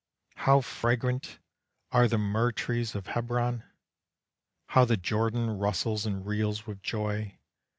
How fragrant are the myrrh trees of Hebron! How the Jordan rustles and reels with joy!